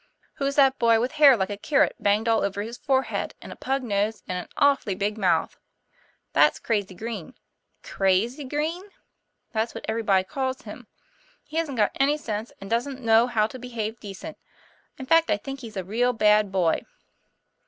Who's that boy with hair like a carrot banged all over his forehead, and a pug nose, and an aw fully big mouth ?" "That's Crazy Green." ' Crazy Green?" "That's what everybody calls him. He hasn't got any sense, and doesn't know how to behave decent. In fact, I think he's a real bad boy."